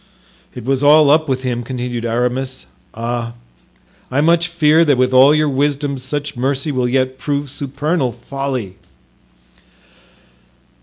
"It was all up with him," continued Aramis; "ah I much fear that with all your wisdom such mercy yet will prove supernal folly."